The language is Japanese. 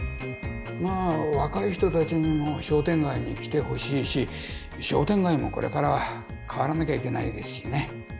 まあ若い人たちにも商店街に来てほしいし商店街もこれから変わらなきゃいけないですしね。